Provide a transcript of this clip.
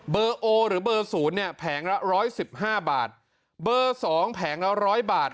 โอหรือเบอร์ศูนย์เนี่ยแผงละร้อยสิบห้าบาทเบอร์สองแผงละร้อยบาท